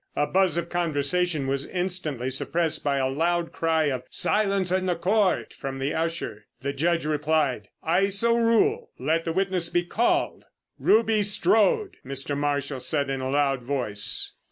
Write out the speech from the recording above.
A buzz of conversation was instantly suppressed by a loud cry of "Silence in Court!" from the usher. The Judge replied: "I so rule. Let the witness be called!" "Ruby Strode!" Mr. Marshall said in a loud voice.